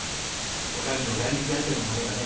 女将の眼力あってのものだね。